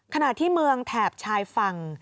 ขณะที่เมืองแถบชายฝั่ง